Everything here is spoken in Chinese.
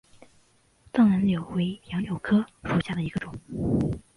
藏南柳为杨柳科柳属下的一个种。